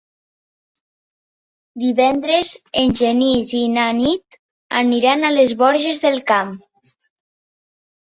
Divendres en Genís i na Nit aniran a les Borges del Camp.